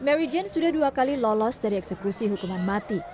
mary jane sudah dua kali lolos dari eksekusi hukuman mati